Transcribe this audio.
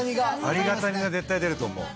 ありがたみが絶対出ると思う。